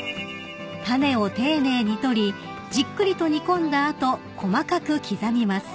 ［種を丁寧に取りじっくりと煮込んだ後細かく刻みます］